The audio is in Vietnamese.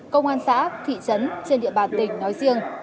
công an xã thị trấn trên địa bàn tỉnh nói riêng